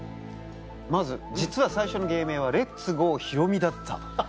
まず「実は最初の芸名は『レッツゴーひろみ』だった⁉」。